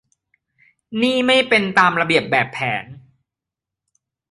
นี่ไม่เป็นตามระเบียบแบบแผน